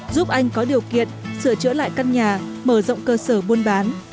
giúp anh có điều kiện sửa chữa lại căn nhà mở rộng cơ sở buôn bán